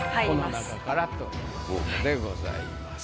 この中からということでございます。